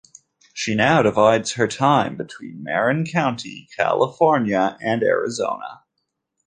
She now divides her time between Marin County, California and Arizona.